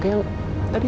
kayak yang uyut kenapa